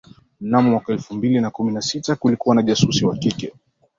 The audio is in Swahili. mnamo mwaka elfu mbili na kumi na sita kulikuwa na jasusi wa kike